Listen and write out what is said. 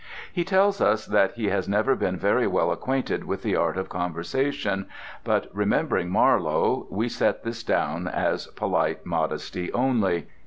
He tells us that he has never been very well acquainted with the art of conversation, but remembering Marlowe, we set this down as polite modesty only.